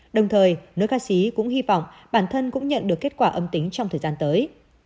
đồng thời nữ ca sĩ cũng hy vọng bản thân cũng nhận được kết quả âm tính trong thời gian tới